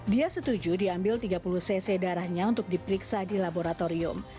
dia setuju diambil tiga puluh cc darahnya untuk diperiksa di laboratorium